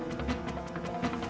tidak ada apa apa